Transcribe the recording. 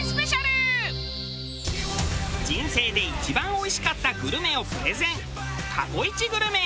人生で一番おいしかったグルメをプレゼン過去イチグルメ。